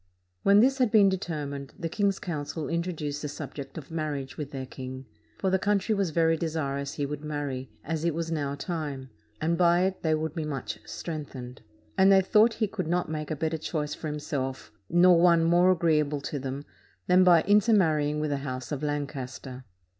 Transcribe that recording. When this had been determined, the king's council introduced the subject of marriage with their king; for the country was very desirous he would marry, as it was now time ; and by it they would be much strengthened ; and they thought he could not make a better choice for himself, nor one more agreeable to them, than by inter marrying with the House of Lancaster.